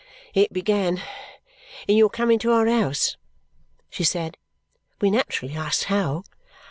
"It began in your coming to our house," she said. We naturally asked how.